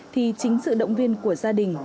thì chính sự động viên của gia đình